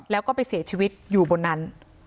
แล้วก็ไปเสียชีวิตอยู่บนนั้น